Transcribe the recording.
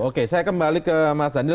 oke saya kembali ke mas daniel